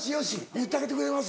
言ってあげてくれます？